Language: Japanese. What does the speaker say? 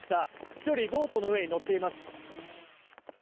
１人、ボートの上に乗っています。